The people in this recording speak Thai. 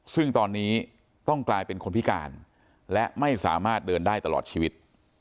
ซึ่งตอนนี้ต้องกลายเป็นคนพิการและไม่สามารถเดินได้ตลอดชีวิต